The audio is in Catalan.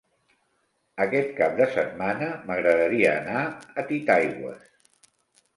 Aquest cap de setmana m'agradaria anar a Titaigües.